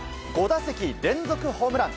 ５打席連続ホームラン。